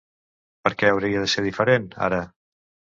¿Per què hauria de ser diferent, ara?